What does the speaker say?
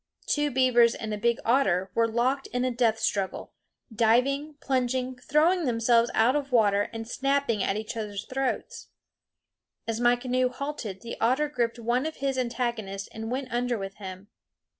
Two beavers and a big otter were locked in a death struggle, diving, plunging, throwing themselves out of water, and snapping at each other's throats. As my canoe halted the otter gripped one of his antagonists and went under with him.